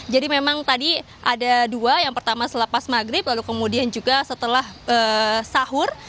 jadi memang tadi ada dua yang pertama selepas maghrib lalu kemudian juga setelah sahur